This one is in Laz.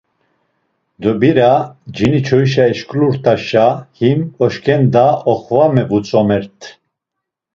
Dobira, cini çoyişa eşǩulurt̆aşa, him oşǩenda Oxvame vutzomert.